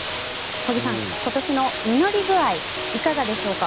小木さん、今年の実り具合いかがでしょうか。